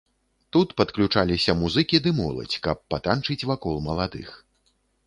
Тут падключаліся музыкі ды моладзь, каб патанчыць вакол маладых.